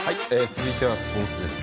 続いてはスポーツです。